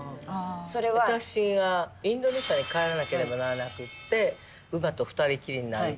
私がインドネシアに帰らなければならなくって乳母と２人きりになるって。